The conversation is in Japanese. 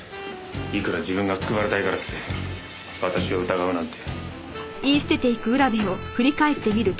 いくら自分が救われたいからって私を疑うなんて。